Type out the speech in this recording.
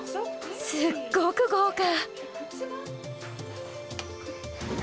すっごく豪華。